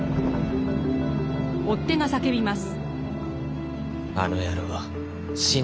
追っ手が叫びます。